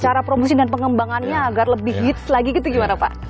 cara promosi dan pengembangannya agar lebih hits lagi gitu gimana pak